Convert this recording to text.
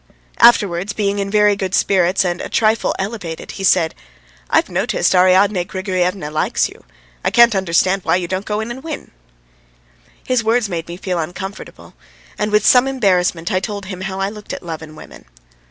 Afterwards, being in very good spirits and a trifle elevated, he said: "I've noticed Ariadne Grigoryevna likes you. I can't understand why you don't go in and win." His words made me feel uncomfortable, and with some embarrassment I told him how I looked at love and women.